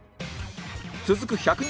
続く１００人